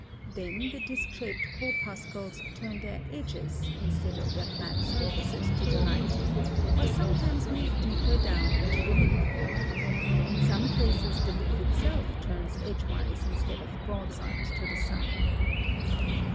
Then the disc shaped corpuscles turn their edges instead of their flat surfaces to the light, or sometimes move deeper down into the leaf. In some cases the leaf itself turns edgewise instead of broadside to the sun.